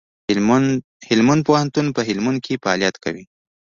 هلمند پوهنتون په هلمند کي فعالیت کوي.